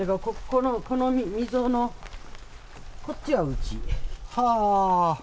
この溝の、こっちはうち。